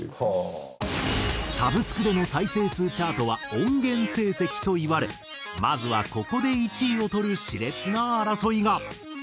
サブスクでの再生数チャートは音源成績といわれまずはここで１位を取る熾烈な争いが。